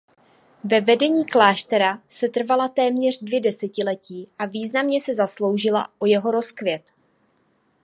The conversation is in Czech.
Ve vedení kláštera setrvala téměř dvě desetiletí a významně se zasloužila o jeho rozkvět.